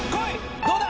どうだ！